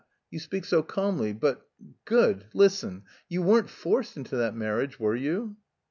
You speak so calmly... but good! Listen! You weren't forced into that marriage, were you?"